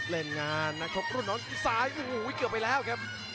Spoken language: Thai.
เล่นงานนักชกรุ่นน้องซ้ายโอ้โหเกือบไปแล้วครับ